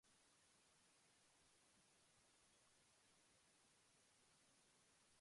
Mansfield Park, Pride and Prejudice, Emma, Sense and Sensibilityd.